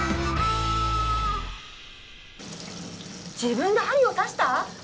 自分で針を刺した！？